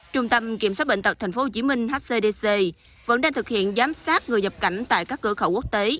trung tâm kiểm soát bệnh tật tp hcm hcdc vẫn đang thực hiện giám sát người nhập cảnh tại các cửa khẩu quốc tế